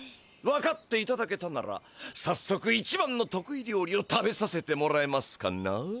分かっていただけたならさっそく一番のとくい料理を食べさせてもらえますかな？